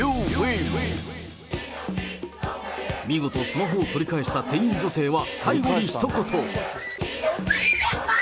見事、スマホを取り返した店員女性は、最後にひと言。